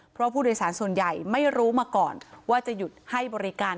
เพราะผู้โดยสารส่วนใหญ่ไม่รู้มาก่อนว่าจะหยุดให้บริการ